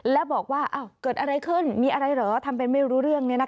แล้วบอกว่าเกิดอะไรขึ้นมีอะไรเหรอทำเป็นไม่รู้เรื่อง